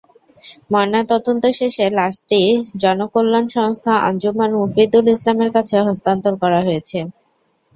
ময়নাতদন্ত শেষে লাশটি জনকল্যাণ সংস্থা আঞ্জুমান মুফিদুল ইসলামের কাছে হস্তান্তর করা হয়েছে।